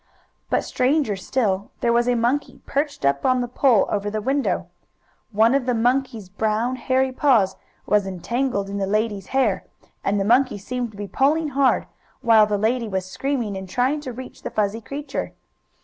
But, stranger still, there was a monkey, perched up on the pole over the window. One of the monkey's brown, hairy paws was entangled in the lady's hair, and the monkey seemed to be pulling hard, while the lady was screaming and trying to reach the fuzzy creature.